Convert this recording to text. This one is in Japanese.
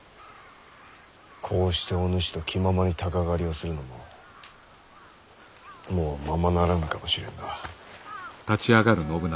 こうしてお主と気ままに鷹狩りをするのももうままならぬかもしれんな。